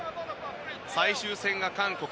最終戦が韓国